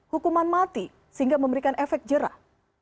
hukuman mati sehingga memberikan efek jerah